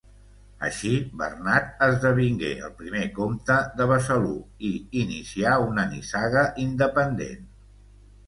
Així, Bernat esdevingué el primer comte de Besalú i inicià una nissaga independent.